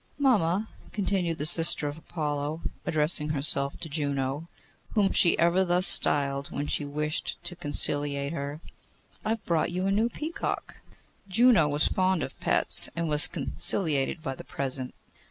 Mamma,' continued the sister of Apollo, addressing herself to Juno, whom she ever thus styled when she wished to conciliate her, 'I have brought you a new peacock.' Juno was fond of pets, and was conciliated by the present.